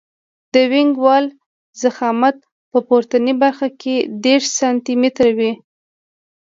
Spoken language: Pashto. د وینګ وال ضخامت په پورتنۍ برخه کې دېرش سانتي متره وي